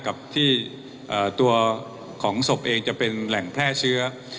กับที่ตัวของศพเองจะเป็นแหล่งแพร่เชื้อ